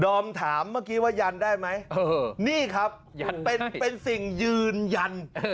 ถามเมื่อกี้ว่ายันได้ไหมนี่ครับเป็นสิ่งยืนยัน